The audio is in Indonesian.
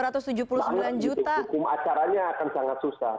hukum acaranya akan sangat susah